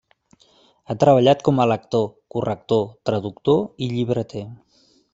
Ha treballat com a lector, corrector, traductor i llibreter.